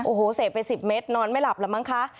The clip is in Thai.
โอ้โหเสพไป๑๐เมตรนอนไม่หลับแล้วมั้งคะ